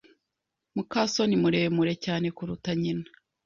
muka soni muremure cyane kuruta nyina.